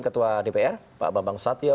ketua dpr pak bambang susatyo